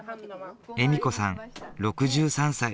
笑子さん６３歳。